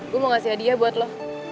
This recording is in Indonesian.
gue mau ngasih hadiah buat lo